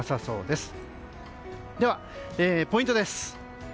ではポイントです。